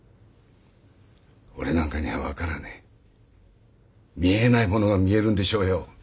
俺なんかには分からねえ見えないものが見えるんでしょうよ。